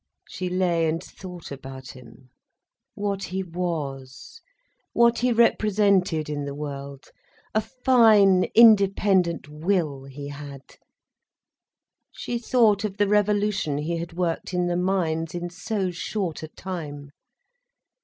She lay and thought about him, what he was, what he represented in the world. A fine, independent will, he had. She thought of the revolution he had worked in the mines, in so short a time.